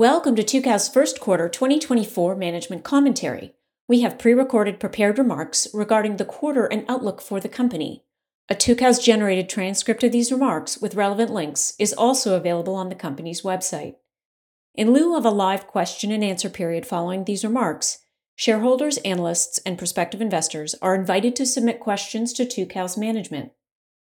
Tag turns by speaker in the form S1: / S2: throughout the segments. S1: Welcome to Tucows Q1 2024 management commentary. We have prerecorded prepared remarks regarding the quarter and outlook for the company. A Tucows-generated transcript of these remarks with relevant links is also available on the company's website. In lieu of a live question-and-answer period following these remarks, shareholders, analysts, and prospective investors are invited to submit questions to Tucows Management.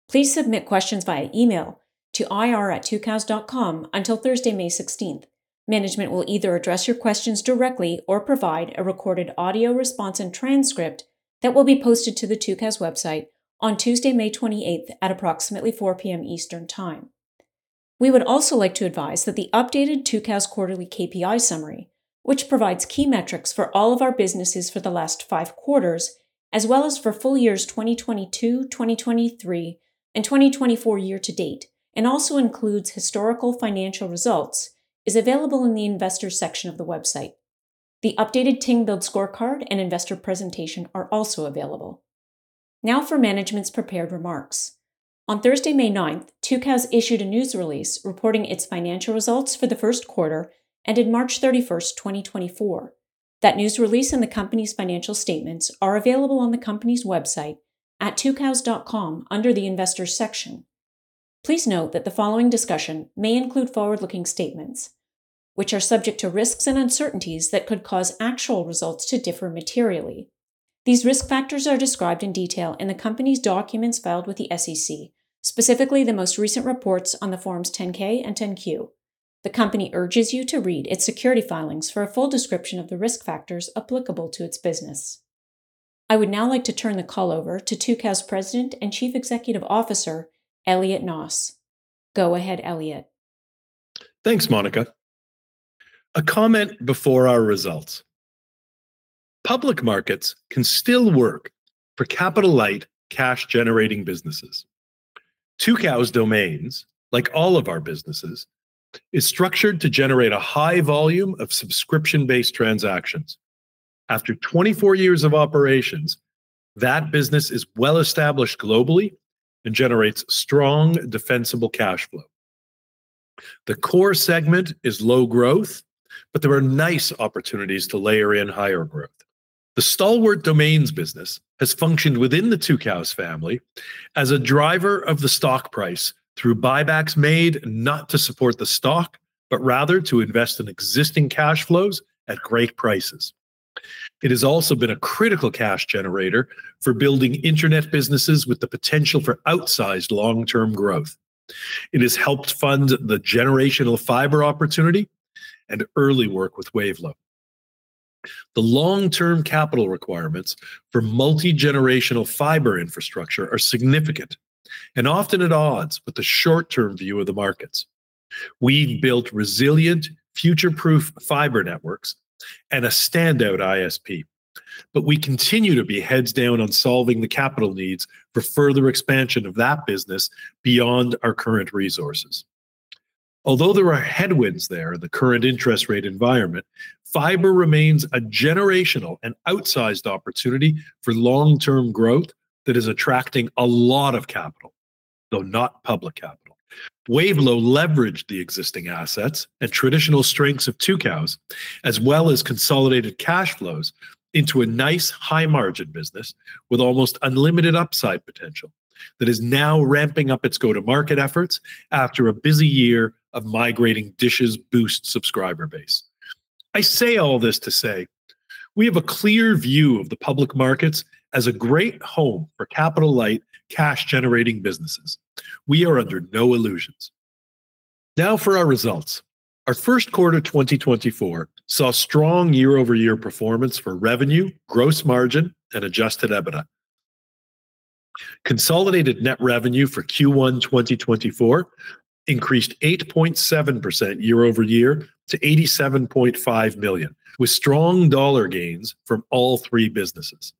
S1: Please submit questions via email to ir@tucows.com until Thursday, May 16. Management will either address your questions directly or provide a recorded audio response and transcript that will be posted to the Tucows website on Tuesday, May 28, at approximately 4:00 P.M. Eastern Time. We would also like to advise that the updated Tucows Quarterly KPI Summary, which provides key metrics for all of our businesses for the last five quarters as well as for full years 2022, 2023, and 2024 year to date, and also includes historical financial results, is available in the Investors section of the website. The updated Ting Build Scorecard and Investor Presentation are also available. Now for management's prepared remarks. On Thursday, May 9, Tucows issued a news release reporting its financial results for the Q1 ended March 31, 2024. That news release and the company's financial statements are available on the company's website at tucows.com under the Investors section. Please note that the following discussion may include forward-looking statements, which are subject to risks and uncertainties that could cause actual results to differ materially. These risk factors are described in detail in the company's documents filed with the SEC, specifically the most recent reports on the Forms 10-K and 10-Q. The company urges you to read its securities filings for a full description of the risk factors applicable to its business. I would now like to turn the call over to Tucows President and Chief Executive Officer Elliot Noss. Go ahead, Elliot.
S2: Thanks, Monica. A comment before our results. Public markets can still work for capital-light, cash-generating businesses. Tucows Domains, like all of our businesses, is structured to generate a high volume of subscription-based transactions. After 24 years of operations, that business is well-established globally and generates strong, defensible cash flow. The core segment is low growth, but there are nice opportunities to layer in higher growth. The stalwart Domains business has functioned within the Tucows family as a driver of the stock price through buybacks made not to support the stock, but rather to invest in existing cash flows at great prices. It has also been a critical cash generator for building internet businesses with the potential for outsized long-term growth. It has helped fund the generational fiber opportunity and early work with Wavelo. The long-term capital requirements for multi-generational fiber infrastructure are significant and often at odds with the short-term view of the markets. We've built resilient, future-proof fiber networks and a standout ISP, but we continue to be heads down on solving the capital needs for further expansion of that business beyond our current resources. Although there are headwinds there in the current interest rate environment, fiber remains a generational and outsized opportunity for long-term growth that is attracting a lot of capital, though not public capital. Wavelo leveraged the existing assets and traditional strengths of Tucows, as well as consolidated cash flows, into a nice, high-margin business with almost unlimited upside potential that is now ramping up its go-to-market efforts after a busy year of migrating DISH's Boost subscriber base. I say all this to say we have a clear view of the public markets as a great home for capital-light, cash-generating businesses. We are under no illusions. Now for our results. Our Q1 2024 saw strong year-over-year performance for revenue, gross margin, and adjusted EBITDA. Consolidated net revenue for Q1 2024 increased 8.7% year-over-year to $87.5 million, with strong dollar gains from all three businesses.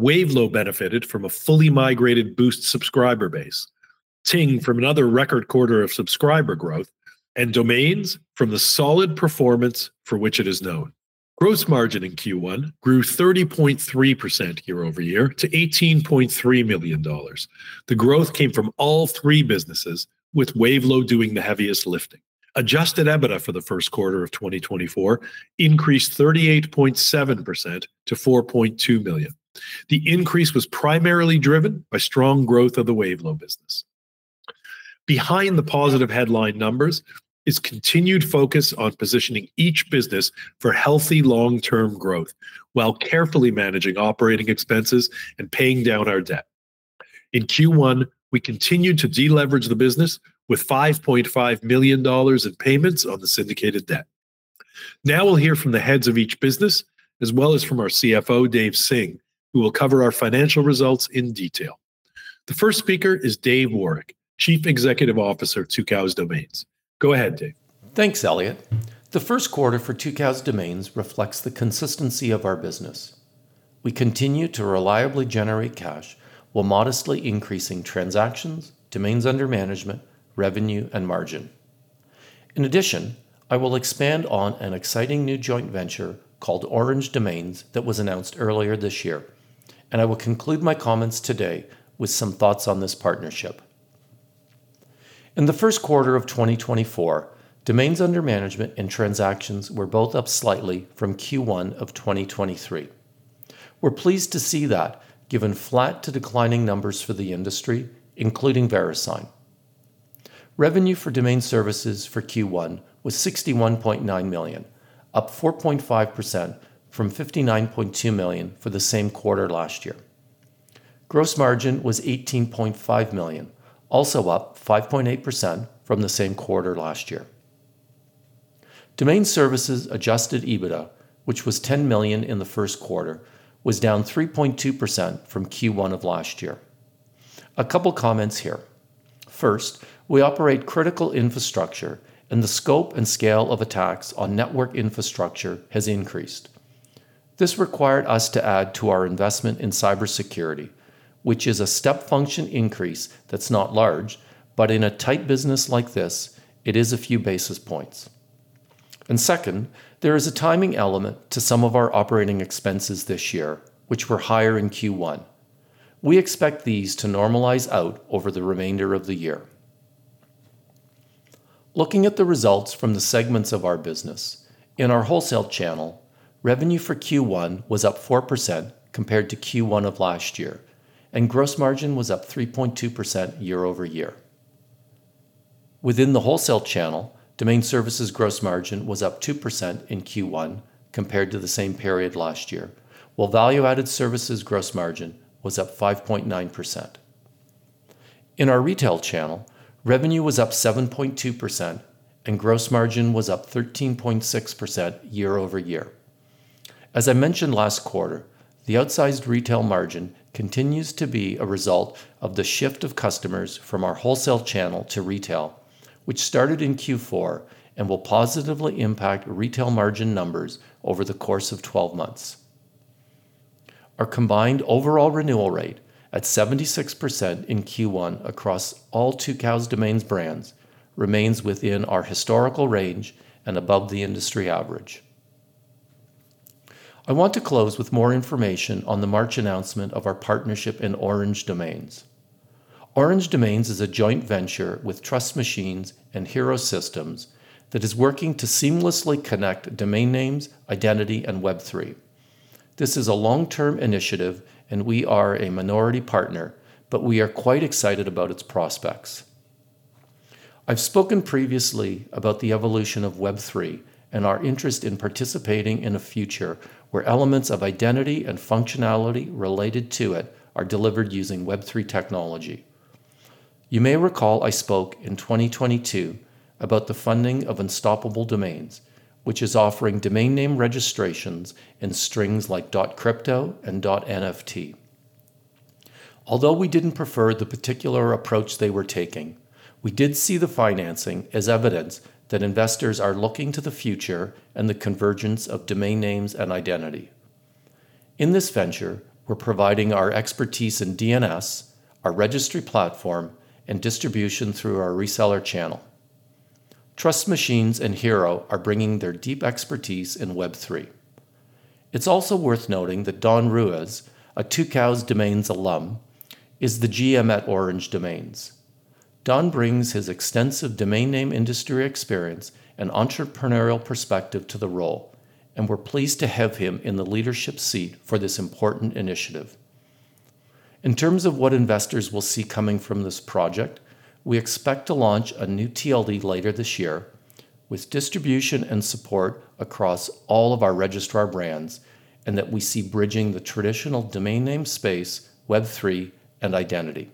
S2: Wavelo benefited from a fully migrated Boost subscriber base, Ting from another record quarter of subscriber growth, and Domains from the solid performance for which it is known. Gross margin in Q1 grew 30.3% year-over-year to $18.3 million. The growth came from all three businesses, with Wavelo doing the heaviest lifting. Adjusted EBITDA for the Q1 of 2024 increased 38.7% to $4.2 million. The increase was primarily driven by strong growth of the Wavelo business. Behind the positive headline numbers is continued focus on positioning each business for healthy, long-term growth while carefully managing operating expenses and paying down our debt. In Q1, we continued to deleverage the business with $5.5 million in payments on the syndicated debt. Now we'll hear from the heads of each business, as well as from our CFO, Dave Singh, who will cover our financial results in detail. The first speaker is Dave Woroch, Chief Executive Officer Tucows Domains. Go ahead, Dave.
S3: Thanks, Elliot. The Q1 for Tucows Domains reflects the consistency of our business. We continue to reliably generate cash while modestly increasing transactions, domains under management, revenue, and margin. In addition, I will expand on an exciting new joint venture called Orange Domains that was announced earlier this year, and I will conclude my comments today with some thoughts on this partnership. In the Q1 of 2024, domains under management and transactions were both up slightly from Q1 of 2023. We're pleased to see that given flat to declining numbers for the industry, including Verisign. Revenue for domain services for Q1 was $61.9 million, up 4.5% from $59.2 million for the same quarter last year. Gross margin was $18.5 million, also up 5.8% from the same quarter last year. Domain services adjusted EBITDA, which was $10 million in the Q1, was down 3.2% from Q1 of last year. A couple comments here. First, we operate critical infrastructure, and the scope and scale of attacks on network infrastructure has increased. This required us to add to our investment in cybersecurity, which is a step function increase that's not large, but in a tight business like this, it is a few basis points. And second, there is a timing element to some of our operating expenses this year, which were higher in Q1. We expect these to normalize out over the remainder of the year. Looking at the results from the segments of our business, in our Wholesale channel, revenue for Q1 was up 4% compared to Q1 of last year, and gross margin was up 3.2% year-over-year. Within the Wholesale channel, domain services gross margin was up 2% in Q1 compared to the same period last year, while value-added services gross margin was up 5.9%. In our retail channel, revenue was up 7.2%, and gross margin was up 13.6% year-over-year. As I mentioned last quarter, the outsized retail margin continues to be a result of the shift of customers from our Wholesale channel to retail, which started in Q4 and will positively impact retail margin numbers over the course of 12 months. Our combined overall renewal rate at 76% in Q1 across all Tucows Domains brands remains within our historical range and above the industry average. I want to close with more information on the March announcement of our partnership in Orange Domains. Orange Domains is a joint venture with Trust Machines and Hiro Systems that is working to seamlessly connect domain names, identity, and Web3. This is a long-term initiative, and we are a minority partner, but we are quite excited about its prospects. I've spoken previously about the evolution of Web3 and our interest in participating in a future where elements of identity and functionality related to it are delivered using Web3 technology. You may recall I spoke in 2022 about the funding of Unstoppable Domains, which is offering domain name registrations in strings like .crypto and .NFT. Although we didn't prefer the particular approach they were taking, we did see the financing as evidence that investors are looking to the future and the convergence of domain names and identity. In this venture, we're providing our expertise in DNS, our registry platform, and distribution through our reseller channel. Trust Machines and Hero are bringing their deep expertise in Web3. It's also worth noting that Don Ruiz, a Tucows Domains alum, is the GM at Orange Domains. Don brings his extensive domain name industry experience and entrepreneurial perspective to the role, and we're pleased to have him in the leadership seat for this important initiative. In terms of what investors will see coming from this project, we expect to launch a new TLD later this year with distribution and support across all of our registrar brands and that we see bridging the traditional domain name space, Web3, and identity.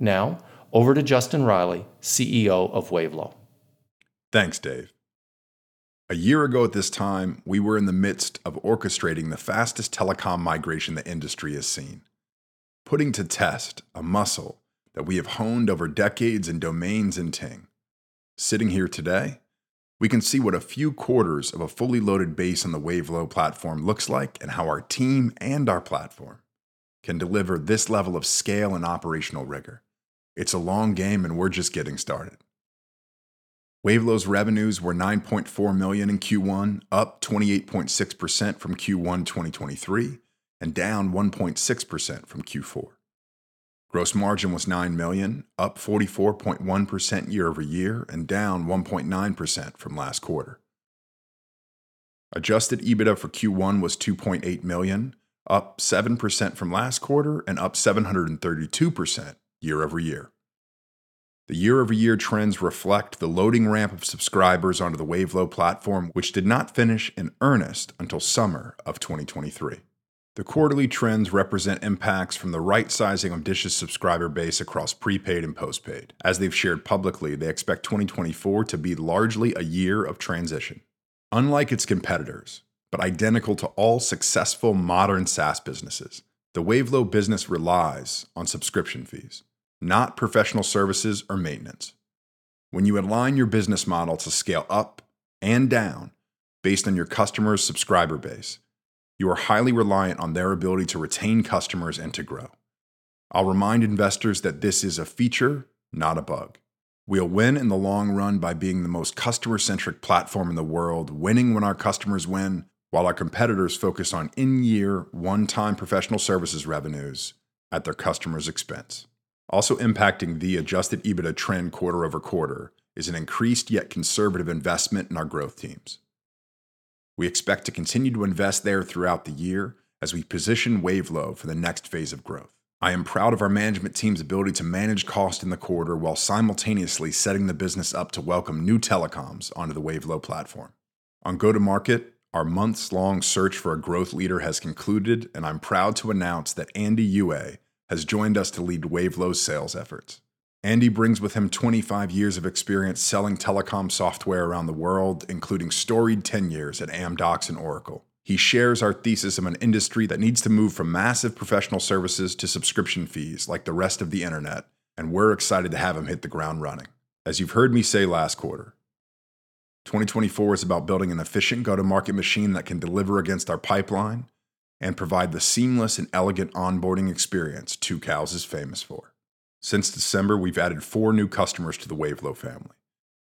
S3: Now over to Justin Reilly, CEO of Wavelo.
S4: Thanks, Dave. A year ago at this time, we were in the midst of orchestrating the fastest telecom migration the industry has seen, putting to test a muscle that we have honed over decades in Domains and Ting. Sitting here today, we can see what a few quarters of a fully loaded base on the Wavelo platform looks like and how our team and our platform can deliver this level of scale and operational rigor. It's a long game, and we're just getting started. Wavelo's revenues were $9.4 million in Q1, up 28.6% from Q1 2023 and down 1.6% from Q4. Gross margin was $9 million, up 44.1% year-over-year and down 1.9% from last quarter. Adjusted EBITDA for Q1 was $2.8 million, up 7% from last quarter and up 732% year-over-year. The year-over-year trends reflect the loading ramp of subscribers onto the Wavelo platform, which did not finish in earnest until summer of 2023. The quarterly trends represent impacts from the right-sizing of DISH's subscriber base across prepaid and postpaid. As they've shared publicly, they expect 2024 to be largely a year of transition. Unlike its competitors, but identical to all successful modern SaaS businesses, the Wavelo business relies on subscription fees, not professional services or maintenance. When you align your business model to scale up and down based on your customer's subscriber base, you are highly reliant on their ability to retain customers and to grow. I'll remind investors that this is a feature, not a bug. We'll win in the long run by being the most customer-centric platform in the world, winning when our customers win, while our competitors focus on in-year, one-time professional services revenues at their customers' expense. Also impacting the adjusted EBITDA trend quarter-over-quarter is an increased yet conservative investment in our growth teams. We expect to continue to invest there throughout the year as we position Wavelo for the next phase of growth. I am proud of our management team's ability to manage cost in the quarter while simultaneously setting the business up to welcome new telecoms onto the Wavelo platform. On go-to-market, our months-long search for a growth leader has concluded, and I'm proud to announce that Andy Youé has joined us to lead Wavelo's sales efforts. Andy brings with him 25 years of experience selling telecom software around the world, including storied tenures at Amdocs and Oracle. He shares our thesis of an industry that needs to move from massive professional services to subscription fees like the rest of the internet, and we're excited to have him hit the ground running. As you've heard me say last quarter, 2024 is about building an efficient go-to-market machine that can deliver against our pipeline and provide the seamless and elegant onboarding experience Tucows is famous for. Since December, we've added four new customers to the Wavelo family.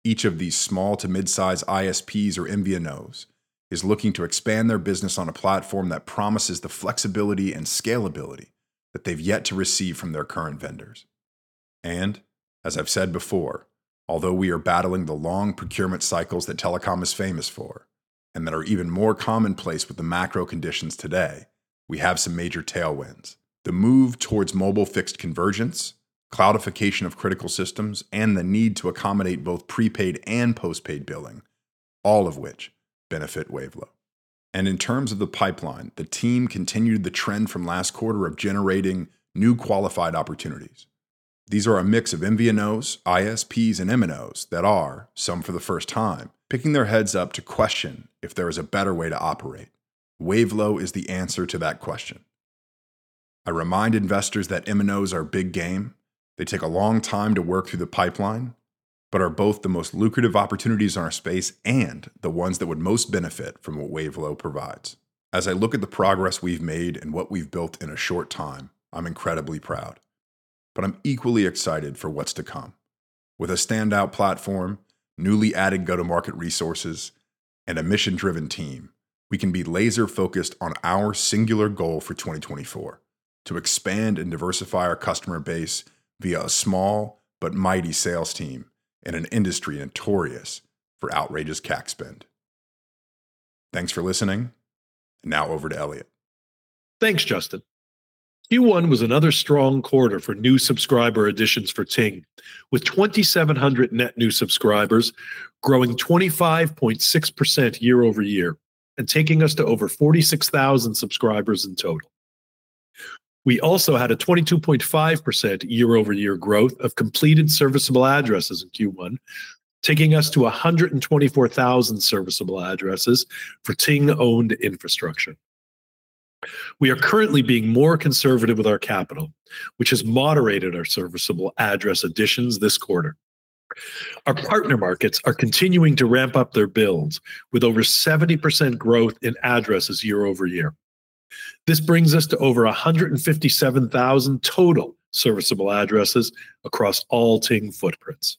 S4: Each of these small to midsize ISPs or MVNOs is looking to expand their business on a platform that promises the flexibility and scalability that they've yet to receive from their current vendors. And as I've said before, although we are battling the long procurement cycles that telecom is famous for and that are even more commonplace with the macro conditions today, we have some major tailwinds. The move towards mobile fixed convergence, cloudification of critical systems, and the need to accommodate both prepaid and postpaid billing, all of which benefit Wavelo. In terms of the pipeline, the team continued the trend from last quarter of generating new qualified opportunities. These are a mix of MVNOs, ISPs, and MNOs that are, some for the first time, picking their heads up to question if there is a better way to operate. Wavelo is the answer to that question. I remind investors that MNOs are big game. They take a long time to work through the pipeline, but are both the most lucrative opportunities in our space and the ones that would most benefit from what Wavelo provides. As I look at the progress we've made and what we've built in a short time, I'm incredibly proud. I'm equally excited for what's to come. With a standout platform, newly added go-to-market resources, and a mission-driven team, we can be laser-focused on our singular goal for 2024: to expand and diversify our customer base via a small but mighty sales team in an industry notorious for outrageous cash spend. Thanks for listening, and now over to Elliot.
S2: Thanks, Justin. Q1 was another strong quarter for new subscriber additions for Ting, with 2,700 net new subscribers growing 25.6% year-over-year and taking us to over 46,000 subscribers in total. We also had a 22.5% year-over-year growth of completed serviceable addresses in Q1, taking us to 124,000 serviceable addresses for Ting-owned infrastructure. We are currently being more conservative with our capital, which has moderated our serviceable address additions this quarter. Our partner markets are continuing to ramp up their builds with over 70% growth in addresses year-over-year. This brings us to over 157,000 total serviceable addresses across all Ting footprints.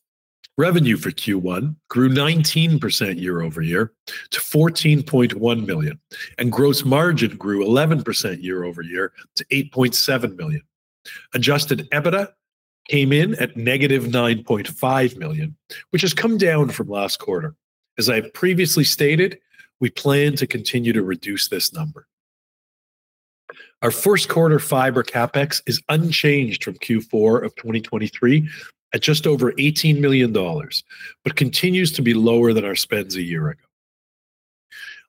S2: Revenue for Q1 grew 19% year-over-year to $14.1 million, and gross margin grew 11% year-over-year to $8.7 million. Adjusted EBITDA came in at -$9.5 million, which has come down from last quarter. As I have previously stated, we plan to continue to reduce this number. Our Q1 fiber CapEx is unchanged from Q4 of 2023 at just over $18 million, but continues to be lower than our spends a year ago.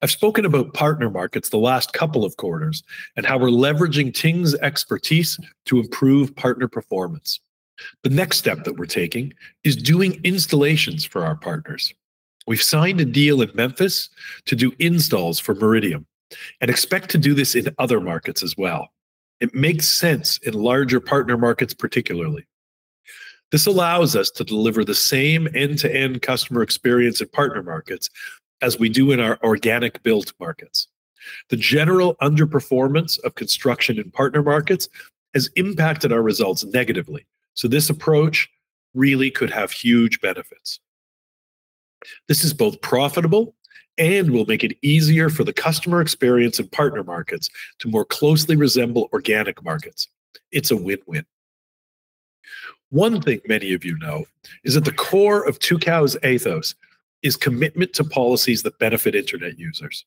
S2: I've spoken about partner markets the last couple of quarters and how we're leveraging Ting's expertise to improve partner performance. The next step that we're taking is doing installations for our partners. We've signed a deal in Memphis to do installs for Meridiam and expect to do this in other markets as well. It makes sense in larger partner markets, particularly. This allows us to deliver the same end-to-end customer experience in partner markets as we do in our organic-built markets. The general underperformance of construction in partner markets has impacted our results negatively, so this approach really could have huge benefits. This is both profitable and will make it easier for the customer experience in partner markets to more closely resemble organic markets. It's a win-win. One thing many of you know is that the core of Tucows' ethos is commitment to policies that benefit internet users.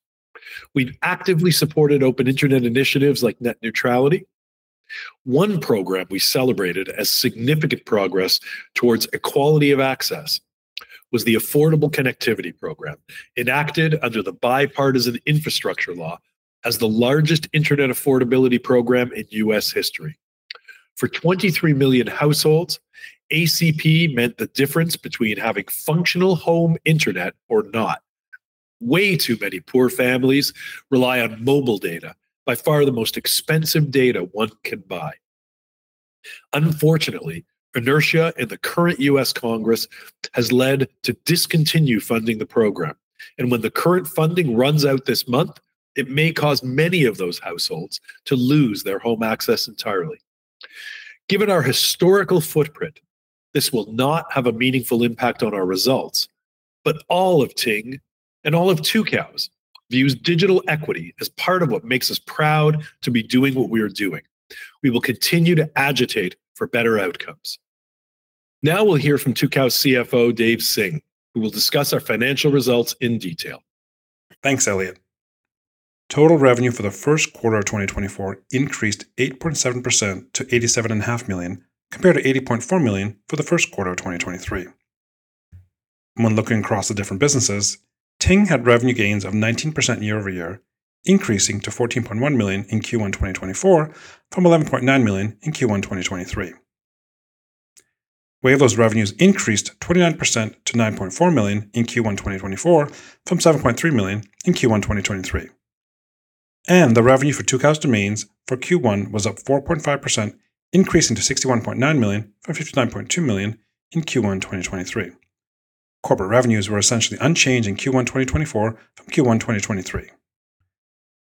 S2: We've actively supported open internet initiatives like net neutrality. One program we celebrated as significant progress towards equality of access was the Affordable Connectivity Program, enacted under the bipartisan infrastructure law as the largest internet affordability program in US history. For 23 million households, ACP meant the difference between having functional home internet or not. Way too many poor families rely on mobile data, by far the most expensive data one can buy. Unfortunately, inertia in the current US. Congress has led to discontinue funding the program, and when the current funding runs out this month, it may cause many of those households to lose their home access entirely. Given our historical footprint, this will not have a meaningful impact on our results, but all of Ting and all of Tucows views digital equity as part of what makes us proud to be doing what we are doing. We will continue to agitate for better outcomes. Now we'll hear from Tucows CFO, Dave Singh, who will discuss our financial results in detail.
S5: Thanks, Elliot. Total revenue for the Q1 of 2024 increased 8.7% to $87.5 million compared to $80.4 million for the Q1 of 2023. When looking across the different businesses, Ting had revenue gains of 19% year-over-year, increasing to $14.1 million in Q1 2024 from $11.9 million in Q1 2023. Wavelo's revenues increased 29% to $9.4 million in Q1 2024 from $7.3 million in Q1 2023. The revenue for Tucows Domains for Q1 was up 4.5%, increasing to $61.9 million from $59.2 million in Q1 2023. Corporate revenues were essentially unchanged in Q1 2024 from Q1 2023.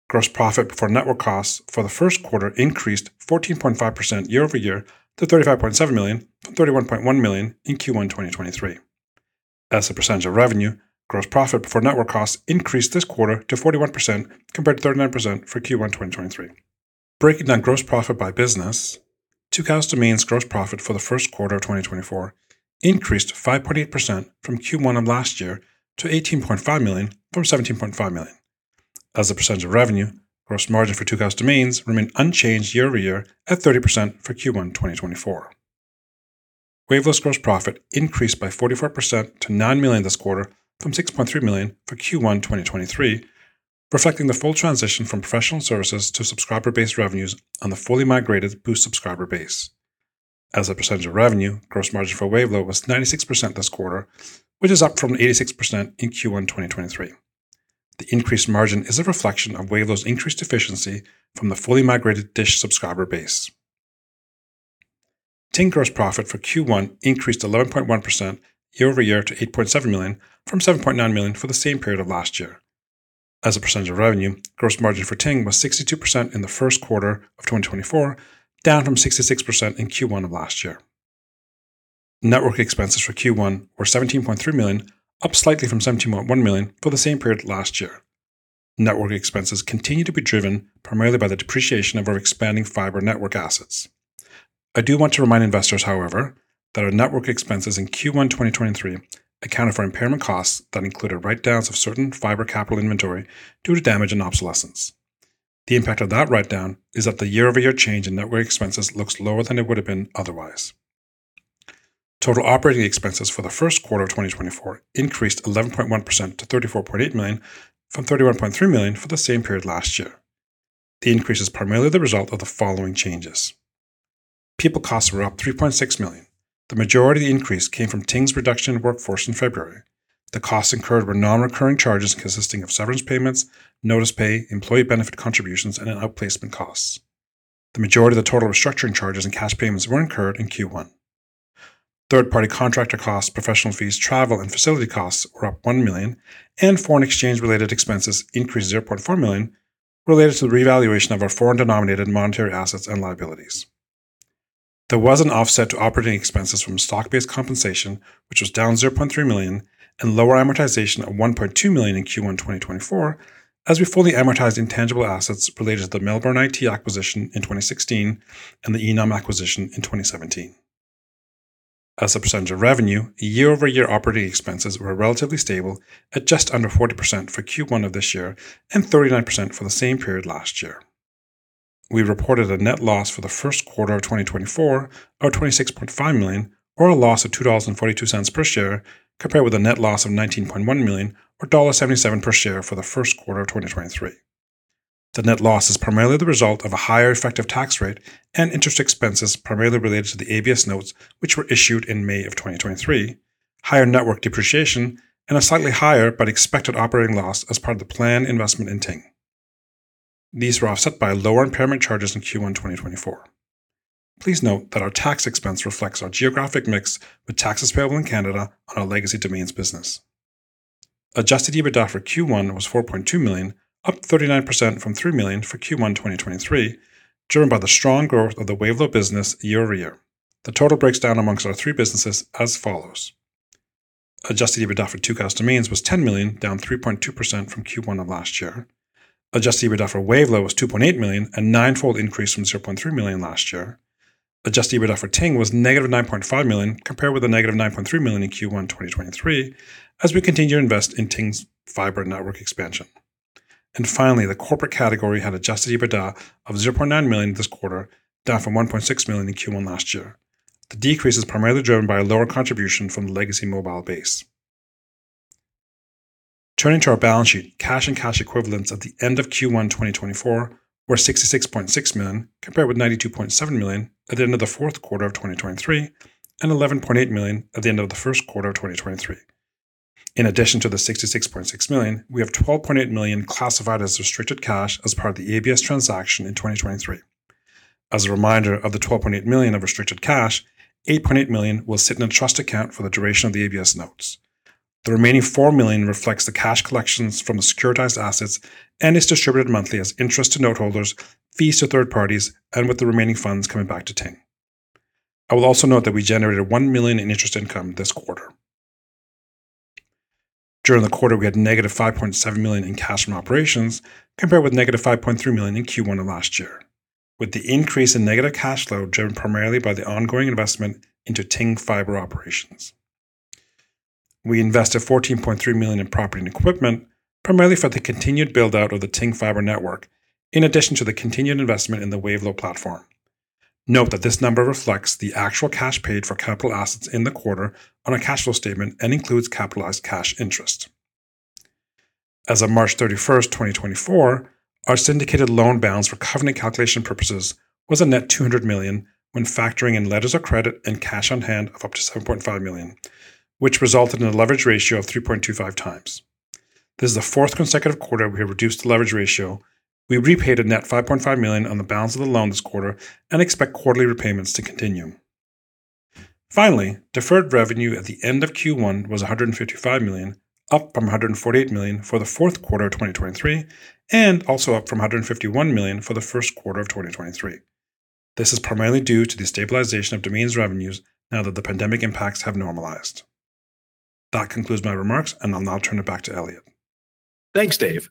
S5: Gross profit before network costs for the Q1 increased 14.5% year-over-year to $35.7 million from $31.1 million in Q1 2023. As a percentage of revenue, gross profit before network costs increased this quarter to 41% compared to 39% for Q1 2023. Breaking down gross profit by business, Tucows Domains' gross profit for the Q1 of 2024 increased 5.8% from Q1 of last year to $18.5 million from $17.5 million. As a percentage of revenue, gross margin for Tucows Domains remained unchanged year-over-year at 30% for Q1 2024. Wavelo's gross profit increased by 44% to $9 million this quarter from $6.3 million for Q1 2023, reflecting the full transition from professional services to subscriber-based revenues on the fully migrated Boost subscriber base. As a percentage of revenue, gross margin for Wavelo was 96% this quarter, which is up from 86% in Q1 2023. The increased margin is a reflection of Wavelo's increased efficiency from the fully migrated DISH subscriber base. Ting gross profit for Q1 increased 11.1% year-over-year to $8.7 million from $7.9 million for the same period of last year. As a percentage of revenue, gross margin for Ting was 62% in the Q1of 2024, down from 66% in Q1 of last year. Network expenses for Q1 were $17.3 million, up slightly from $17.1 million for the same period last year. Network expenses continue to be driven primarily by the depreciation of our expanding fiber network assets. I do want to remind investors, however, that our network expenses in Q1 2023 accounted for impairment costs that included write-downs of certain fiber capital inventory due to damage and obsolescence. The impact of that write-down is that the year-over-year change in network expenses looks lower than it would have been otherwise. Total operating expenses for the Q1 of 2024 increased 11.1% to $34.8 million from $31.3 million for the same period last year. The increase is primarily the result of the following changes: People costs were up $3.6 million. The majority of the increase came from Ting's reduction in workforce in February. The costs incurred were non-recurring charges consisting of severance payments, notice pay, employee benefit contributions, and outplacement costs. The majority of the total restructuring charges and cash payments were incurred in Q1. Third-party contractor costs, professional fees, travel, and facility costs were up $1 million, and foreign exchange-related expenses increased $0.4 million related to the revaluation of our foreign-denominated monetary assets and liabilities. There was an offset to operating expenses from stock-based compensation, which was down $0.3 million, and lower amortization of $1.2 million in Q1 2024 as we fully amortized intangible assets related to the Melbourne IT acquisition in 2016 and the Enom acquisition in 2017. As a percentage of revenue, year-over-year operating expenses were relatively stable at just under 40% for Q1 of this year and 39% for the same period last year. We reported a net loss for the Q1 of 2024 of $26.5 million or a loss of $2.42 per share compared with a net loss of $19.1 million or $1.77 per share for the Q1 of 2023. The net loss is primarily the result of a higher effective tax rate and interest expenses primarily related to the ABS notes, which were issued in May of 2023, higher network depreciation, and a slightly higher but expected operating loss as part of the planned investment in Ting. These were offset by lower impairment charges in Q1 2024. Please note that our tax expense reflects our geographic mix with taxes payable in Canada on our legacy domains business. Adjusted EBITDA for Q1 was $4.2 million, up 39% from $3 million for Q1 2023, driven by the strong growth of the Wavelo business year-over-year. The total breaks down among our three businesses as follows: Adjusted EBITDA for Tucows Domains was $10 million, down 3.2% from Q1 of last year. Adjusted EBITDA for Wavelo was $2.8 million, a nine-fold increase from $0.3 million last year. Adjusted EBITDA for Ting was -$9.5 million compared with the -$9.3 million in Q1 2023 as we continue to invest in Ting's fiber network expansion. And finally, the corporate category had adjusted EBITDA of $0.9 million this quarter, down from $1.6 million in Q1 last year. The decrease is primarily driven by a lower contribution from the legacy mobile base. Turning to our balance sheet, cash and cash equivalents at the end of Q1 2024 were $66.6 million compared with $92.7 million at the end of the Q4 of 2023 and $11.8 million at the end of the Q1 of 2023. In addition to the $66.6 million, we have $12.8 million classified as restricted cash as part of the ABS transaction in 2023. As a reminder of the $12.8 million of restricted cash, $8.8 million will sit in a trust account for the duration of the ABS notes. The remaining $4 million reflects the cash collections from the securitized assets and is distributed monthly as interest to noteholders, fees to third parties, and with the remaining funds coming back to Ting. I will also note that we generated $1 million in interest income this quarter. During the quarter, we had negative $5.7 million in cash from operations compared with negative $5.3 million in Q1 of last year, with the increase in negative cash flow driven primarily by the ongoing investment into Ting fiber operations. We invested $14.3 million in property and equipment primarily for the continued build-out of the Ting fiber network in addition to the continued investment in the Wavelo platform. Note that this number reflects the actual cash paid for capital assets in the quarter on a cash flow statement and includes capitalized cash interest. As of March 31, 2024, our syndicated loan balance for covenant calculation purposes was a net $200 million when factoring in letters of credit and cash on hand of up to $7.5 million, which resulted in a leverage ratio of 3.25 times. This is the fourth consecutive quarter we have reduced the leverage ratio. We repaid a net $5.5 million on the balance of the loan this quarter and expect quarterly repayments to continue. Finally, deferred revenue at the end of Q1 was $155 million, up from $148 million for the Q4 of 2023 and also up from $151 million for the Q1 of 2023. This is primarily due to the stabilization of domains revenues now that the pandemic impacts have normalized. That concludes my remarks, and I'll now turn it back to Elliot.
S2: Thanks, Dave.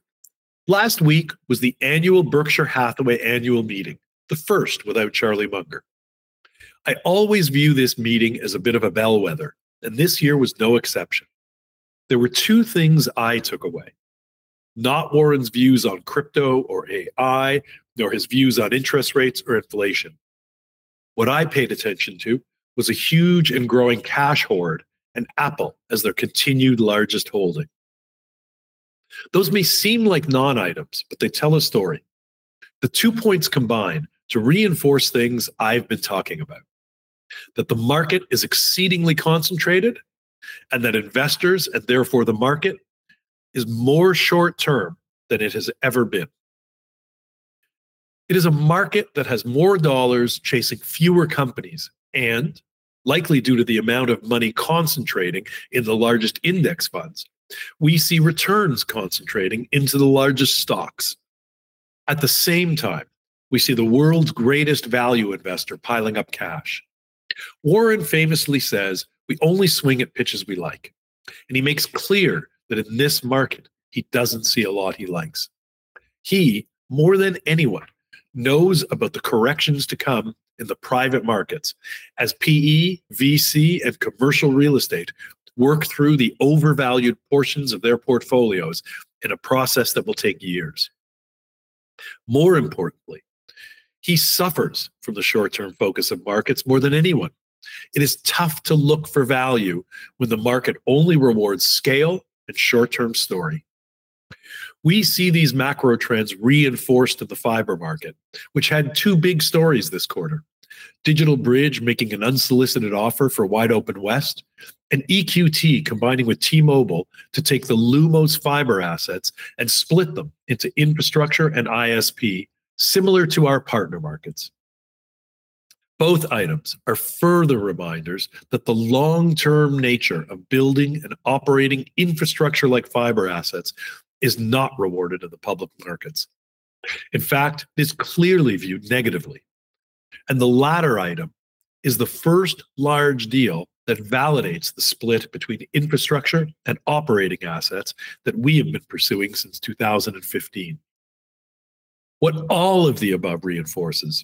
S2: Last week was the annual Berkshire Hathaway annual meeting, the first without Charlie Munger. I always view this meeting as a bit of a bellwether, and this year was no exception. There were two things I took away: not Warren's views on crypto or AI, nor his views on interest rates or inflation. What I paid attention to was a huge and growing cash hoard and Apple as their continued largest holding. Those may seem like non-items, but they tell a story. The two points combine to reinforce things I've been talking about: that the market is exceedingly concentrated, and that investors, and therefore the market, is more short-term than it has ever been. It is a market that has more dollars chasing fewer companies, and, likely due to the amount of money concentrating in the largest index funds, we see returns concentrating into the largest stocks. At the same time, we see the world's greatest value investor piling up cash. Warren famously says, "We only swing at pitches we like," and he makes clear that in this market he doesn't see a lot he likes. He, more than anyone, knows about the corrections to come in the private markets as PE, VC, and commercial real estate work through the overvalued portions of their portfolios in a process that will take years. More importantly, he suffers from the short-term focus of markets more than anyone. It is tough to look for value when the market only rewards scale and short-term story. We see these macro trends reinforced in the fiber market, which had two big stories this quarter: DigitalBridge making an unsolicited offer for Wide Open West, and EQT combining with T-Mobile to take the Lumos fiber assets and split them into infrastructure and ISP, similar to our partner markets. Both items are further reminders that the long-term nature of building and operating infrastructure-like fiber assets is not rewarded in the public markets. In fact, it is clearly viewed negatively. The latter item is the first large deal that validates the split between infrastructure and operating assets that we have been pursuing since 2015. What all of the above reinforces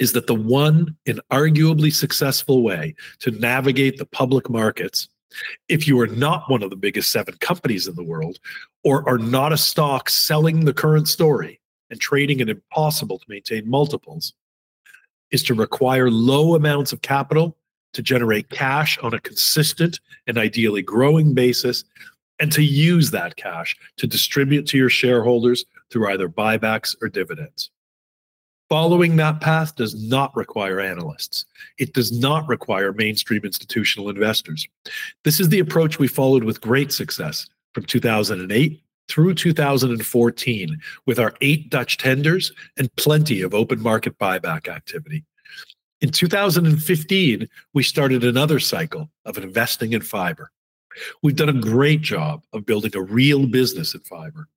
S2: is that the one and arguably successful way to navigate the public markets, if you are not one of the biggest seven companies in the world or are not a stock selling the current story and trading an impossible to maintain multiples, is to require low amounts of capital to generate cash on a consistent and ideally growing basis and to use that cash to distribute to your shareholders through either buybacks or dividends. Following that path does not require analysts. It does not require mainstream institutional investors. This is the approach we followed with great success from 2008 through 2014 with our eight Dutch tenders and plenty of open market buyback activity. In 2015, we started another cycle of investing in fiber. We've done a great job of building a real business in fiber.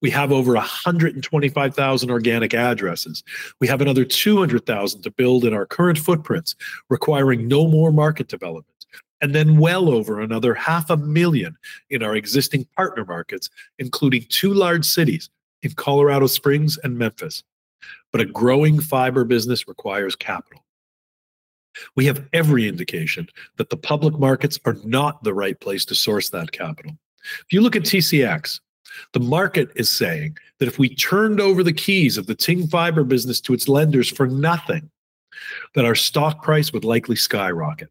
S2: We have over 125,000 organic addresses. We have another 200,000 to build in our current footprints, requiring no more market development, and then well over another 500,000 in our existing partner markets, including two large cities in Colorado Springs and Memphis. But a growing fiber business requires capital. We have every indication that the public markets are not the right place to source that capital. If you look at TCX, the market is saying that if we turned over the keys of the Ting fiber business to its lenders for nothing, that our stock price would likely skyrocket.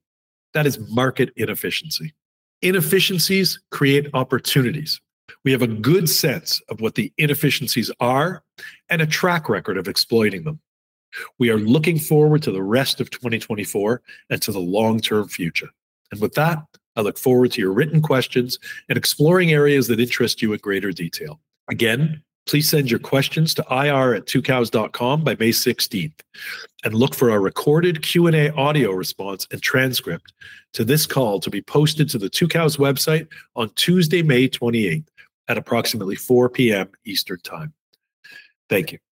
S2: That is market inefficiency. Inefficiencies create opportunities. We have a good sense of what the inefficiencies are and a track record of exploiting them. We are looking forward to the rest of 2024 and to the long-term future. With that, I look forward to your written questions and exploring areas that interest you in greater detail. Again, please send your questions to ir@tucows.com by May 16th, and look for our recorded Q&A audio response and transcript to this call to be posted to the Tucows website on Tuesday, May 28th, at approximately 4:00 P.M. Eastern Time. Thank you.